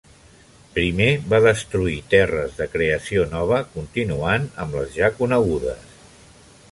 Primer va destruir terres de creació nova, continuant amb les ja conegudes.